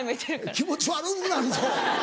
気持ち悪くなるぞ。